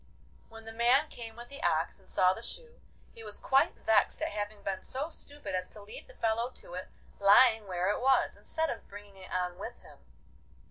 When the man came with the ox and saw the shoe, he was quite vexed at having been so stupid as to leave the fellow to it lying where it was, instead of bringing it on with him.